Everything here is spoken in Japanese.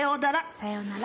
さようなら。